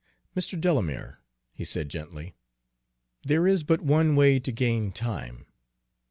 "Mr. Delamere," he said gently, "there is but one way to gain time.